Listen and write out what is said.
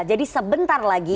jadi sebentar lagi